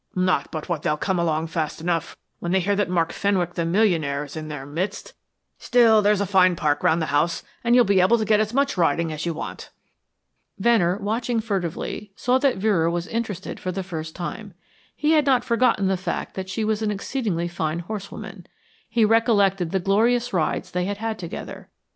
Not but what they'll come along fast enough when they hear that Mark Fenwick, the millionaire, is in their midst. Still, there is a fine park round the house, and you'll be able to get as much riding as you want." Venner watching furtively saw that Vera was interested for the first time. He had not forgotten the fact that she was an exceedingly fine horsewoman; he recollected the glorious rides they had had together.